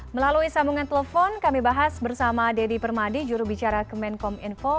melalui sambungan telepon kami bahas bersama dedy permadi juru bicara kemenkom info